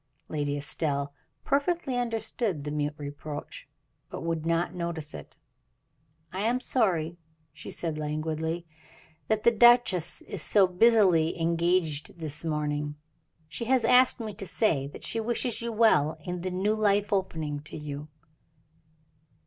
Lady Estelle perfectly understood the mute reproach, but would not notice it. "I am sorry," she said, languidly, "that the duchess is so busily engaged this morning. She has asked me to say that she wishes you well in the new life opening to you."